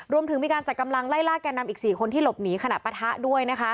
รวมถึงมีการจัดกำลังไล่ล่าแก่นำอีก๔คนที่หลบหนีขณะปะทะด้วยนะคะ